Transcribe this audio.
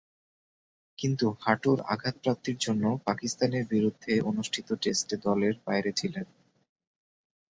কিন্তু হাঁটুর আঘাতপ্রাপ্তির জন্য পাকিস্তানের বিরুদ্ধে অনুষ্ঠিত টেস্টে দলের বাইরে ছিলেন।